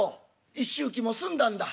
一周忌も済んだんだ」。